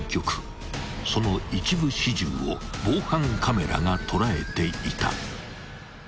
［その一部始終を防犯カメラが捉えていた］